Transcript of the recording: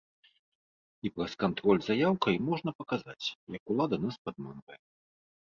І праз кантроль за яўкай можна паказаць, як улада нас падманвае.